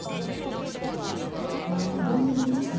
これは無言になりますね。